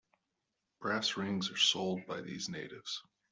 Brass rings are sold by these natives.